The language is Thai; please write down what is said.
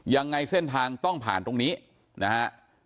ยังไงเส้นทางต้องผ่านตรงนี้นะฮะ